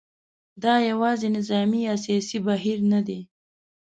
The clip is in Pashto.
دا یوازې نظامي یا سیاسي بهیر نه دی.